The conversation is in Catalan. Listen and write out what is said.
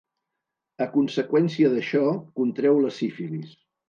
A conseqüència d'això contreu la sífilis.